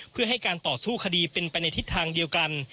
เพื่อให้การต่อสู้คดีเป็นไปในทิศทางเดียวกัน